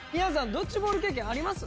ドッジボール経験あります？